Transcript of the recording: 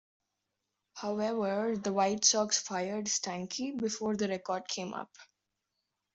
However, the White Sox fired Stanky before the record came up.